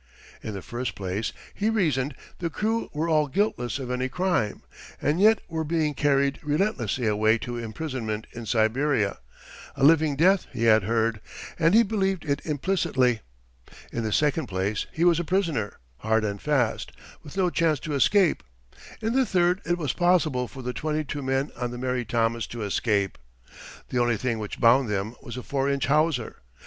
In the first place, he reasoned, the crew were all guiltless of any crime, and yet were being carried relentlessly away to imprisonment in Siberia—a living death, he had heard, and he believed it implicitly. In the second place, he was a prisoner, hard and fast, with no chance to escape. In the third, it was possible for the twenty two men on the Mary Thomas to escape. The only thing which bound them was a four inch hawser.